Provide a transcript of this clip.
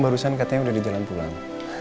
dia dukung kadang kadang